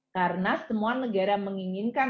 karena semua negara menginginkan